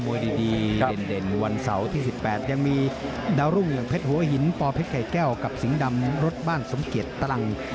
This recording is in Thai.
ดีเด่นวันเสาร์ที่๑๘ยังมีดาวรุ่งอย่างเพชรหัวหินปอเพชรไข่แก้วกับสิงห์ดำรถบ้านสมเกียจตรัง